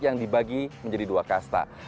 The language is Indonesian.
yang dibagi menjadi dua kasta